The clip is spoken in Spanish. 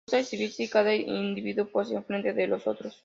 Gusta exhibirse y cada individuo posa enfrente de los otros.